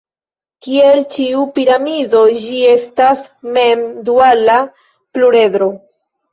Kiel ĉiu piramido, ĝi estas mem-duala pluredro.